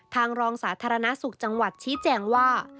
รองสาธารณสุขจังหวัดชี้แจงว่า